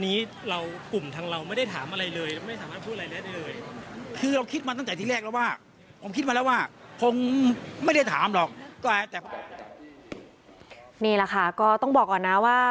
นี่แหละค่ะก็ต้องบอกก่อนนะว่า